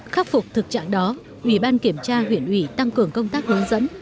khắc phục thực trạng đó ủy ban kiểm tra huyện ủy tăng cường công tác hướng dẫn